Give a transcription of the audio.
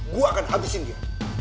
gua akan habisin dia